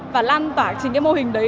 và lan tỏa trên cái mô hình đấy